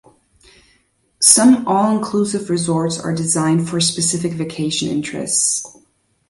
Some all-inclusive resorts are designed for specific vacation interests.